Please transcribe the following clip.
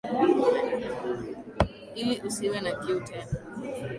Ili usiwe na kiu tena.